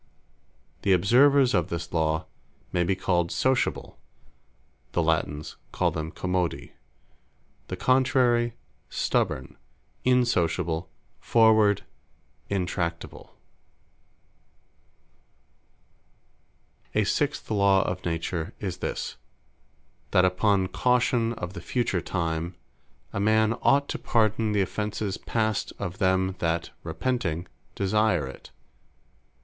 The observers of this Law, may be called SOCIABLE, (the Latines call them Commodi;) The contrary, Stubborn, Insociable, Froward, Intractable. The Sixth, Facility To Pardon A sixth Law of Nature is this, "That upon caution of the Future time, a man ought to pardon the offences past of them that repenting, desire it."